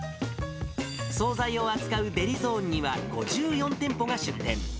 総菜を扱うデリゾーンには、５４店舗が出店。